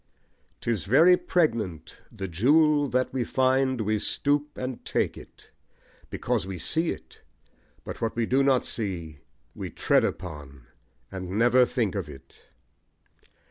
'Tis very pregnant: The jewel that we find we stoop and take it, Because we see it; but what we do not see We tread upon, and never think of it.